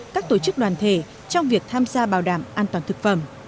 các tổ chức đoàn thể trong việc tham gia bảo đảm an toàn thực phẩm